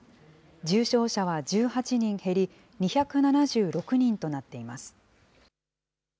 重症者は１８人減り、２７６人となっています。